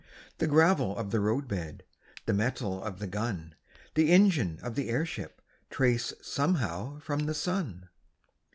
The gravel of the roadbed, The metal of the gun, The engine of the airship Trace somehow from the sun.